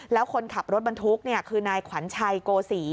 แล้วคนขับรถบรรทุกคือนายขวัญชัยโกศี